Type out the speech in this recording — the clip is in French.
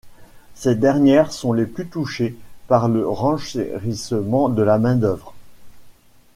Ces dernières sont les plus touchées par le renchérissement de la main d’œuvre.